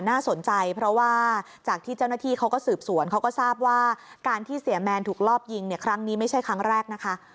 น่าสนใจเพราะว่าจากที่เจ้าหน้าที่เขาก็สืบสวนเขาก็ทราบว่าการที่เสียแมนถูกรอบยิงเนี่ยครั้งนี้ไม่ใช่ครั้งแรกนะคะ